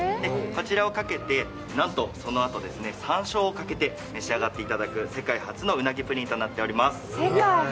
こちらをかけて、なんとそのあと、さんしょうをかけて召し上がっていただく、世界初の鰻ぷりんとなっております。